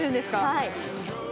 はい。